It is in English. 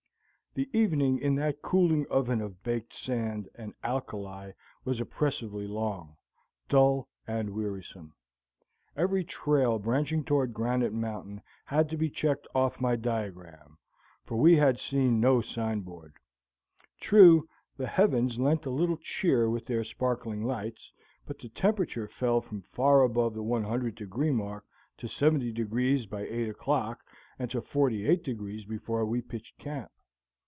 The evening in that cooling oven of baked sand and alkali was oppressively long, dull and wearisome. Every trail branching toward Granite Mountain had to be checked off my diagram, for we had seen no sign board. True, the heavens lent a little cheer with their sparkling lights, but the temperature fell from far above the 100 degree mark to 70 degrees by eight o'clock, and to 48 degrees before we pitched camp.